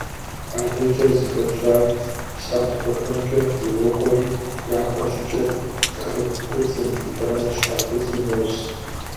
АдэкӀэ зыхэтщӀар псантхуэхэмкӀэ ирокӀуэри япэ щӀыкӀэ тхы куцӀым, итӀанэ щхьэ куцӀым нос.